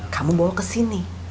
kamu bawa kesini